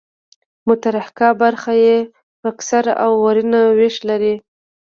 متحرکه برخه یې فکسر او ورنیه وېش لري.